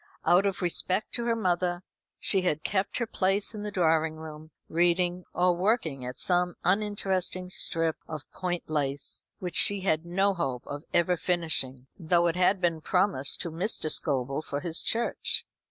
Out of respect to her mother she had kept her place in the drawing room, reading, or working at some uninteresting strip of point lace, which she had no hope of ever finishing, though it had been promised to Mr. Scobel for his church.